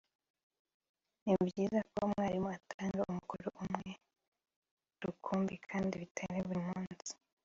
Ni byiza ko umwarimu atanga umukoro umwe rukumbi kandi bitari buri munsi